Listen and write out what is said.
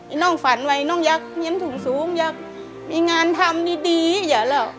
น้องฝันไว้น้องอยากเรียนสูงอยากมีงานทำดีดีอย่าเล่า